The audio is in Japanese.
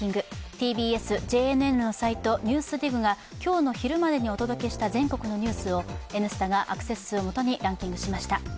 ＴＢＳ・ＪＮＮのサイト「ＮＥＷＳＤＩＧ」が今日の昼までにお届けした全国のニュースを「Ｎスタ」がアクセス数をもとにランキングしました。